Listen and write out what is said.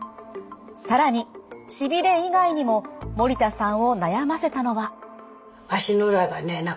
更にしびれ以外にも森田さんを悩ませたのは。